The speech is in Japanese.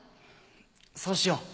そうしよう。